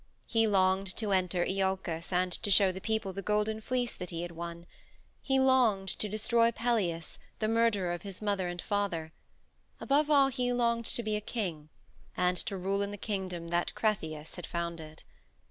He longed to enter Iolcus and to show the people the Golden Fleece that he had won; he longed to destroy Pelias, the murderer of his mother and father; above all he longed to be a king, and to rule in the kingdom that Cretheus had founded.